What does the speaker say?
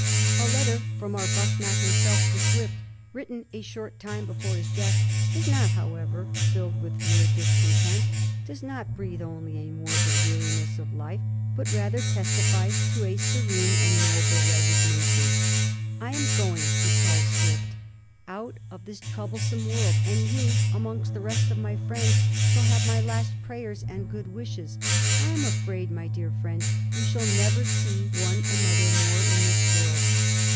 A letter from Arbuthnot him self to Swift, written a short time before his death, is not, however, filled with mere discontent, does not breathe only a morbid weariness of life, but rather testifies to a serene and noble resignation. ^^I am going," he tells Swift, ''out 1786. SWIFT'S OPINION OF ARB0THNOT. 21 of this troublesome world, and you, amongst the rest of my friends, shall have my last prayers and good wishes. I am afraid, my dear friend, we shall never see one another more in this world.